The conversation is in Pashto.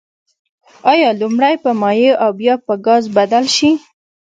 آیا لومړی په مایع او بیا به په ګاز بدل شي؟